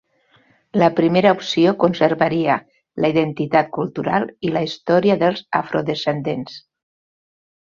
La primera opció conservaria la identitat cultural i la història dels afrodescendents.